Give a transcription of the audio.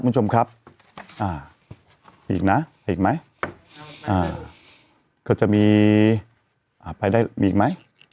คุณผู้ชมครับอ่าอีกนะอีกไหมอ่าก็จะมีไปได้มีอีกไหม